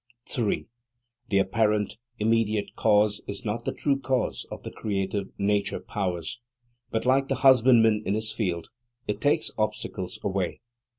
3. The apparent, immediate cause is not the true cause of the creative nature powers; but, like the husbandman in his field, it takes obstacles away.